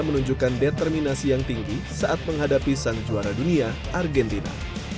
menunjukkan determinasi yang tinggi saat menghadapi sang juara dunia argentina